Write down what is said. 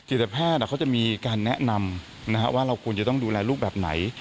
แพทย์เขาจะมีการแนะนำว่าเราควรจะต้องดูแลลูกแบบไหน